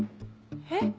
えっ？